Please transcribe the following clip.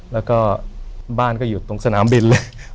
แล้วก็บ้านก็อยู่ตรงสนามบินเลย